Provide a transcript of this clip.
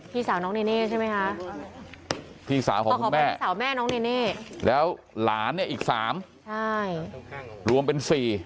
พี่สาวน้องเรน่าใช่ไหมฮะพี่สาวของคุณแม่แล้วหลานเนี่ยอีก๓รวมเป็น๔